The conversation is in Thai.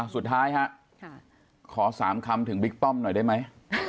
สุดท้ายฮะขอ๓คำถึงบิ๊กป้อมหน่อยได้ไหม